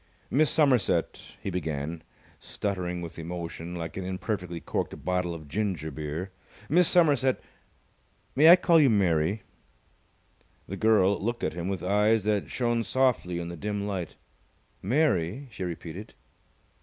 "Miss Somerset " he began, stuttering with emotion like an imperfectly corked bottle of ginger beer. "Miss Somerset may I call you Mary?" The girl looked at him with eyes that shone softly in the dim light. "Mary?" she repeated.